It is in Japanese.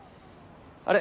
あれ？